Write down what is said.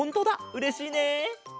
うれしいねえ。